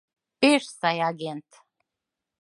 Пеш сай агент!